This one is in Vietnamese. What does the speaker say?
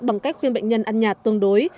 bằng cách khuyên bệnh nhân ăn nhạt tương đối